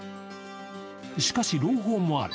しかし朗報もある。